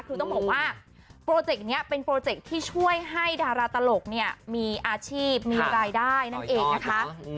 คือต้องบอกว่าโปรเจกต์นี้เป็นโปรเจคที่ช่วยให้ดาราตลกเนี่ยมีอาชีพมีรายได้นั่นเองนะคะ